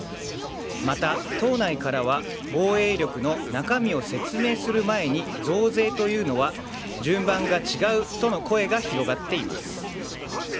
また党内からは、防衛力の中身を説明する前に増税というのは順番が違うとの声が広がっています。